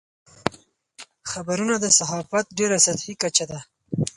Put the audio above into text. خبرونه د صحافت ډېره سطحي کچه ده.